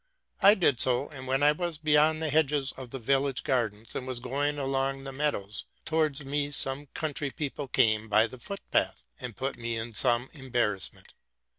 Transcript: '' I did so; but when I was be yond the hedges of the village gardens and was going along the meadows, towards me some country people came by thie footpath, and put me in some embarrassment.